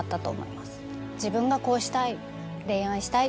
自分がこうしたい。